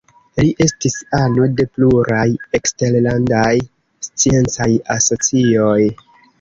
Li estis ano de pluraj eksterlandaj sciencaj asocioj.